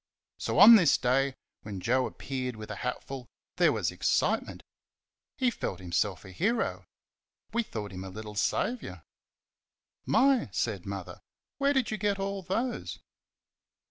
So on this day, when Joe appeared with a hatful, there was excitement. He felt himself a hero. We thought him a little saviour. "My!" said Mother, "where did you get all those?"